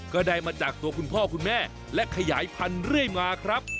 ก็ได้มาจากตัวคุณพ่อคุณแม่และขยายพันธุ์เรื่อยมาครับ